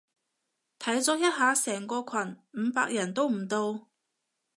睇咗一下成個群，五百人都唔到